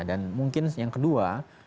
dan mungkin yang kedua